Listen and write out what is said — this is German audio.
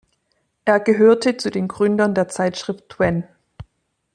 Er gehörte zu den Gründern der Zeitschrift Twen.